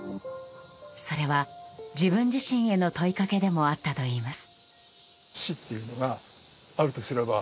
それは自分自身への問いかけでもあったといいます。